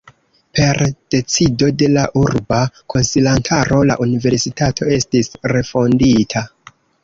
Per decido de la urba konsilantaro la universitato estis refondita.